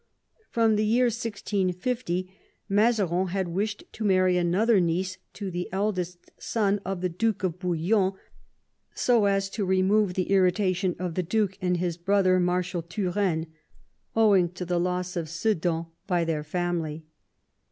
From the year 1650 Mazarin had wished to marry another niece to the eldest son of the Duke of Bouillon, so as to remove the irritation of the duke and his brother. Marshal Turenne, owing to the loss of Sedan by their family.